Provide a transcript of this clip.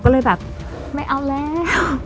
ก็เลยแบบไม่เอาแล้ว